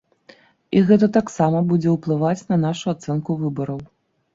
І гэта таксама будзе ўплываць на нашу ацэнку выбараў.